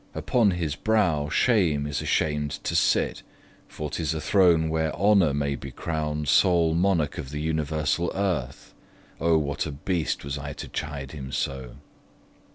Upon his brow shame is ashamed to sit, For 'tis a throne where honour may be crown'd Sole monarch of the universal earth! O, what a beast was I to chide him so!